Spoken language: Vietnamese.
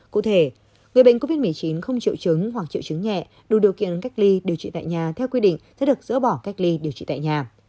cụ thể người bệnh covid một mươi chín không triệu chứng hoặc triệu chứng nhẹ đủ điều kiện cách ly điều trị tại nhà theo quy định sẽ được dỡ bỏ cách ly điều trị tại nhà